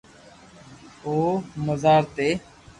او مزار تي